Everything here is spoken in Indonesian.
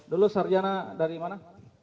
dulu sarjana dari mana